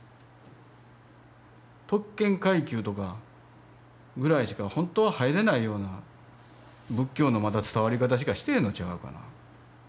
特権階級とかぐらいしかほんとは入れないような仏教のまだ伝わり方しかしてへんと違うかな。